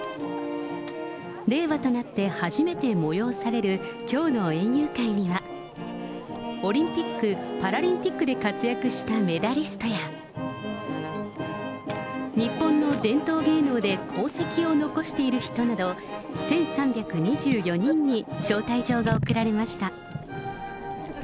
令和となってはじめて催されるきょうの園遊会には、オリンピック・パラリンピックで活躍したメダリストや、日本の伝統芸能で功績を残している人など、１３２４人に招待状が送られました。